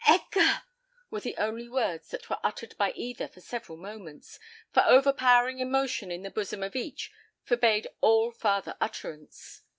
"Edgar!" were the only words that were uttered by either for several moments, for overpowering emotion in the bosom of each forbade all farther utterance.